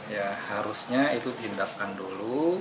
ya harusnya itu dihindapkan dulu